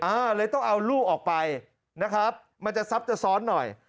เลยต้องเอาลูกออกไปนะครับมันจะซับจะซ้อนหน่อย